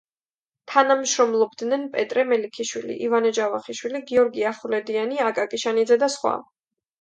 თანამშრომლობდნენ პეტრე მელიქიშვილი, ივანე ჯავახიშვილი, გიორგი ახვლედიანი, აკაკი შანიძე და სხვა.